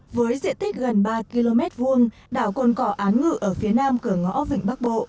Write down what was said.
với diện tích gần ba km hai đảo cồn cỏ án ngự ở phía nam cửa ngõ vịnh bắc bộ